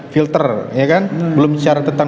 filter belum bicara tentang